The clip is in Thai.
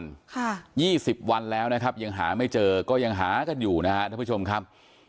ค่ะยี่สิบวันแล้วนะครับยังหาไม่เจอก็ยังหากันอยู่นะฮะท่านผู้ชมครับ